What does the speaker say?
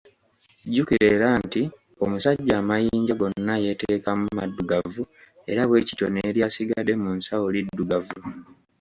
Jjukira era nti omusajja amayinja gonna yateekamu maddugavu era bwe kityo n’eryasigadde mu nsawo liddugavu.